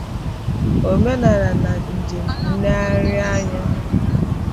omenala na njem nlegharịanya